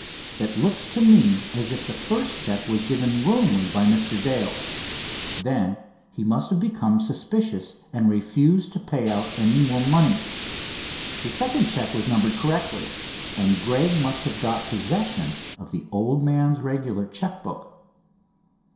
It looks to me as if the first check was given willingly by Mr. Dale. Then he must have become suspicious, and refused to pay out any more money. The second check was numbered correctly, and Gregg must have got possession of the old man's regular check book."